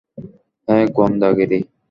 হ্যাঁ, গোয়েন্দাগিরি!